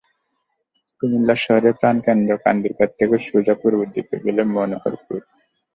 কুমিল্লা শহরের প্রাণকেন্দ্র কান্দিরপাড় থেকে সোজা পূর্ব দিকে গেলে মনোহরপুর।